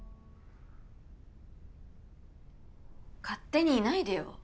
勝手にいないでよ。